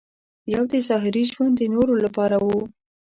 یو دې ظاهري ژوند د نورو لپاره و.